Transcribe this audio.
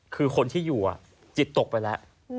คือคนที่อยู่จิตตกไปแล้ว